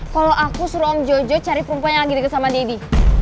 kalau aku suruh om jojo cari perempuan yang lagi deket sama deddy